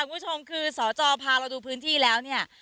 คุณผู้ชมคือสจพาเราดูพื้นที่แล้วเนี่ย